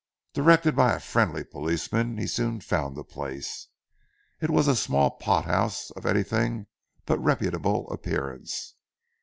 Directed by a friendly policeman, he soon found the place. It was a small pot house of anything but a reputable appearance.